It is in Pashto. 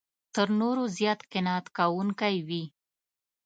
تر نورو زیات قناعت کوونکی وي.